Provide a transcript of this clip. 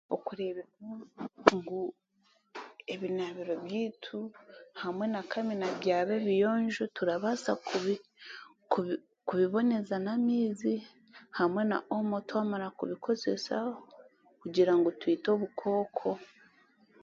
Okureeba ngu ebinaabiro byaitu hamwe na kamina byaba ebiyonjo turabaasa kubiboneza n'amaizi hamwe na omo twamara kubikozesa kugira ngu twite obukooko.